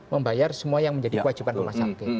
membayar semua yang menjadi kewajiban rumah sakit